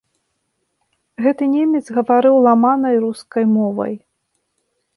Гэты немец гаварыў ламанай рускай мовай.